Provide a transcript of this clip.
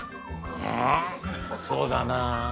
うんそうだな。